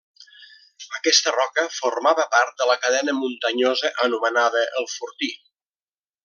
Aquesta roca formava part de la cadena muntanyosa, anomenada, el Fortí.